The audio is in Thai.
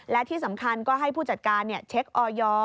และที่สำคัญก็ให้ผู้จัดการเช็คออย